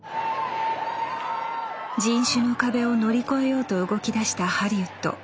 人種の壁を乗り越えようと動きだしたハリウッド。